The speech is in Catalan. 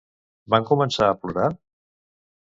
Van començar a plorar?